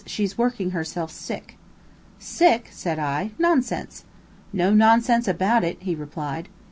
She's working herself sick." "Sick?" said I. "Nonsense!" "No nonsense about it," he replied.